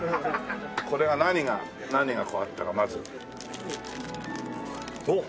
これは何が何があったかまず。おっ！